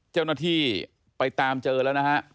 เจ้าหน้าที่ไปตามเจอแล้วนะฮะ